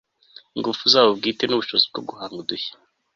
ingufu zabo bwite n'ubushobozi bwo guhanga udishya